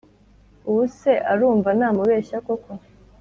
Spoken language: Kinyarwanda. ubuse arumva namubeshya koko